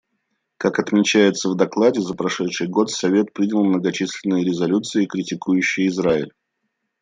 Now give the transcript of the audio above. Как отмечается в докладе, за прошедший год Совет принял многочисленные резолюции, критикующие Израиль.